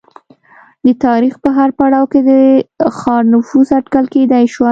د تاریخ په هر پړاو کې د ښار نفوس اټکل کېدای شوای